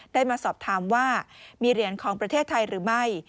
ได้มาสอบถามว่ามีเหรียญของประเทศไทยหรือไม่